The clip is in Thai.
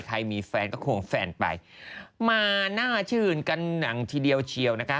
ใครมีแฟนก็ควงแฟนไปมาน่าชื่นกันหนังทีเดียวเชียวนะคะ